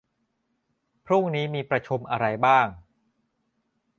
พรุ่งนี้มีประชุมอะไรบ้าง